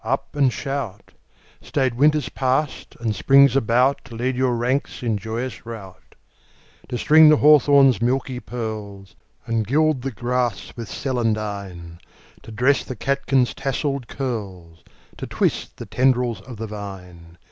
Up and shout! Staid Winter's passed and Spring's about To lead your ranks in joyous rout; To string the hawthorn's milky pearls, And gild the grass with celandine; To dress the catkins' tasselled curls, To twist the tendrils of the vine.